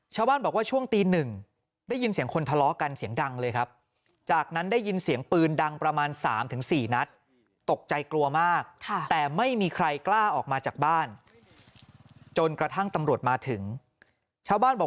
ชาวบ้านบอกว่าช่วงตี๑ได้ยินเสียงคนทะเลาะกันเสียงดังเลยครับ